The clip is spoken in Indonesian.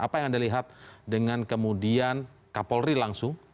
apa yang anda lihat dengan kemudian kapolri langsung